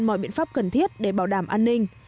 mọi biện pháp cần thiết để bảo đảm an ninh